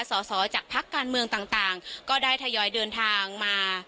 สอสอจากพักการเมืองต่างก็ได้ทยอยเดินทางมา